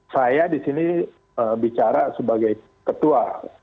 saya di sini bicara sebagai ketua